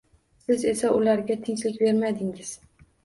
Siz esa ularga tinchlik bermadingiz.